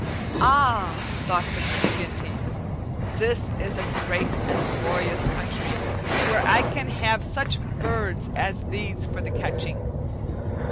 "Ah!" thought Mr. McGinty, "this is a great and glorious country, where I can have such birds as these for the catching.